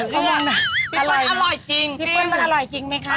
พี่ฟึ้นมันอร่อยจริงไหมคะ